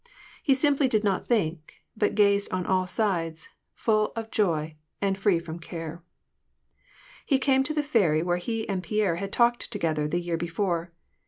He simply did not think, but gazed on all sides, full of joy, and free from care. He came to the ferry where he and Pierre had talked together the year before.